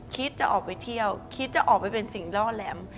คิดจะออกไปเที่ยวคิดจะออกไปเป็นสิ่งล่อแหลม